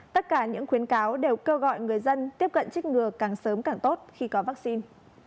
tất cả những khuyến cáo đều kêu gọi người dân tiếp cận chích ngừa càng sớm càng tốt khi có vaccine